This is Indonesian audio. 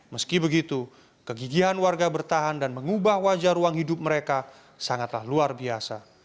meski begitu kegigihan warga bertahan dan mengubah wajah ruang hidup mereka sangatlah luar biasa